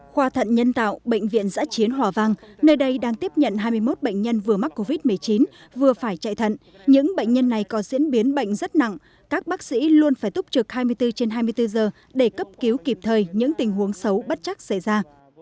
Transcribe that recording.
khoa thận nhân tạo bệnh viện giã chiến hòa vang nơi đây đang tiếp nhận hai mươi một bệnh nhân vừa mắc covid một mươi chín vừa phải chạy thận những bệnh nhân này có diễn biến bệnh rất nặng các bác sĩ luôn phải túc trực hai mươi bốn trên hai mươi bốn giờ để cấp cứu kịp thời những tình huống xấu bất chắc xảy ra